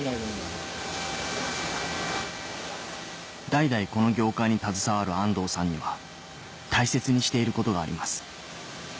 代々この業界に携わる安堂さんには大切にしていることがあります